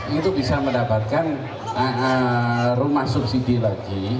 itu bisa mendapatkan rumah subsidi lagi